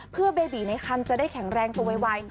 เพื่อเบบีในคันจะได้แข็งแรงตัวไว